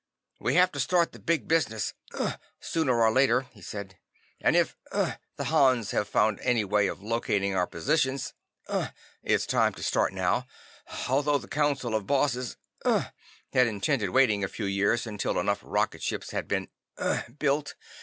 "We have to start the big business unh sooner or later," he said. "And if unh the Hans have found any way of locating our positions unh it's time to start now, although the Council of Bosses unh had intended waiting a few years until enough rocket ships have been unh built.